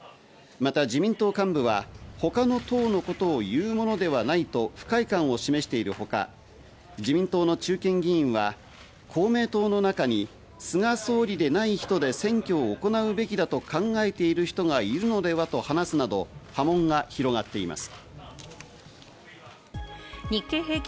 また自民党幹部は他の党のことをいうものではないと不快感を示しているほか、自民党の中堅議員は公明党の中に菅総理でない人で選挙を行うべきだと考えている人がいるのではと話すなど、波紋が広がっています。